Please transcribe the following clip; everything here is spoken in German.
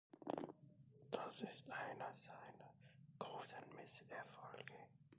Das ist einer seiner großen Misserfolge.